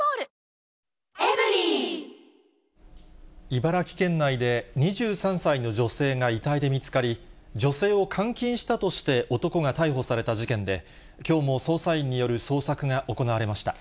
茨城県内で、２３歳の女性が遺体で見つかり、女性を監禁したとして、男が逮捕された事件で、きょうも捜査員による捜索が行われました。